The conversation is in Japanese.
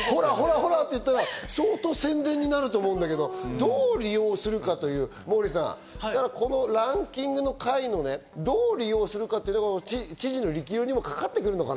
ほら！って言って、相当、宣伝になると思うんだけど、どう利用するか、モーリーさん、このランキングの下位をどう利用するか、知事の力量にもかかってくるのかな？